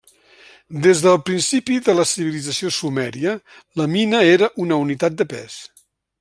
Des del principi de la civilització Sumèria la mina era una unitat de pes.